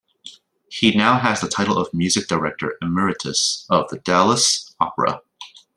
He now has the title of Music Director Emeritus of the Dallas Opera.